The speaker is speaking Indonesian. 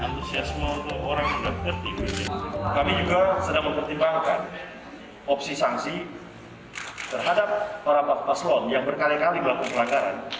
kami juga sedang mempertimbangkan opsi sanksi terhadap para paslon yang berkali kali melakukan pelanggaran